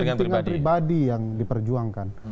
kepentingan pribadi yang diperjuangkan